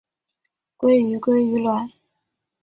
鲑鱼鲑鱼卵